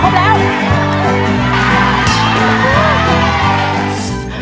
ปีหน้าหนูต้อง๖ขวบให้ได้นะลูก